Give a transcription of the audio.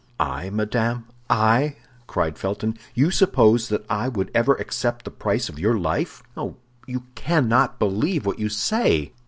"I, madame, I?" cried Felton. "You suppose that I would ever accept the price of your life? Oh, you cannot believe what you say!"